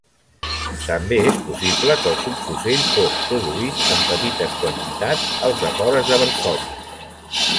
També és possible que el subfusell fos produït en petites quantitats als afores de Varsòvia.